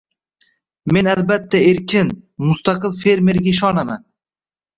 —Men, albatta, erkin, mustaqil fermerga ishonaman.